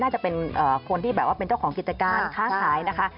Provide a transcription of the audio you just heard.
น่าจะเป็นคนที่แบบว่าเป็นเจ้าของกิจการค้าขายนะคะ